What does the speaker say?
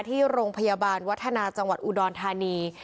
ที่โรงพยาบาลวัฒนาจังหวัดอุดรธานี